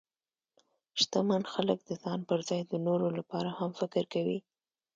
شتمن خلک د ځان پر ځای د نورو لپاره هم فکر کوي.